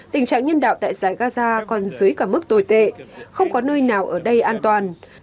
tình trạng nhân đạo tại giải gaza còn dưới cả mức tồi tệ không có nơi nào ở đây an toàn